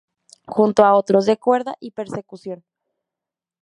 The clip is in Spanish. Junto a otros de cuerda y percusión